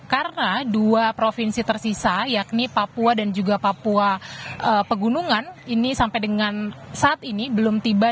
karena dua provinsi tersisa yakni papua dan juga papua pegunungan ini sampai dengan saat ini belum tiba